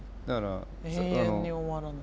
永遠に終わらない。